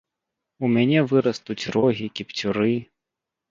У мяне вырастуць рогі, кіпцюры.